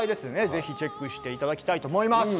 ぜひチェックしていただきたいと思います。